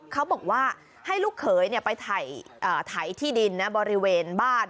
เขาบอกว่าให้ลูกเขยไปถ่ายที่ดินบริเวณบ้าน